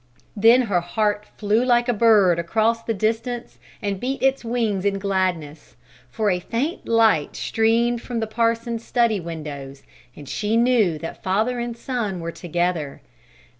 Then her heart flew like a bird across the distance and beat its wings in gladness, for a faint light streamed from the parson's study windows and she knew that father and son were together.